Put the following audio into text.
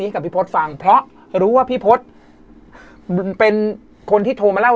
กับพี่พศฟังเพราะรู้ว่าพี่พศเป็นคนที่โทรมาเล่า